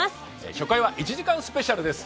初回は１時間スペシャルです。